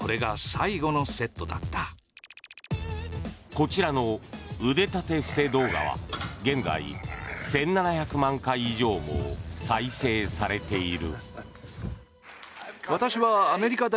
こちらの腕立て伏せ動画は現在１７００万回以上も再生されている。